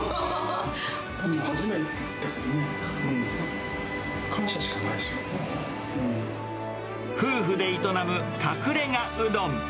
初めて言ったけど、感謝しか夫婦で営む隠れがうどん。